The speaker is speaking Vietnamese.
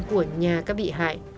của nhà các bị hại